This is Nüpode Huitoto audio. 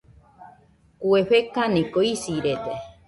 Kue fekaniko isirede.